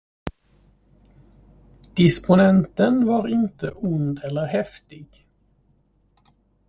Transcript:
Disponenten var inte ond eller häftig.